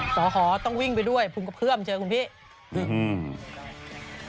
หอต้องวิ่งไปด้วยพุงกระเพื่อมเจอคุณพี่อืม